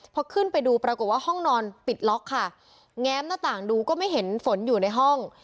พอขึ้นไปดูปรากฏว่าห้องนอนปิดล็อกค่ะแง้มหน้าต่างดูก็ไม่เห็นฝนอยู่ในห้อง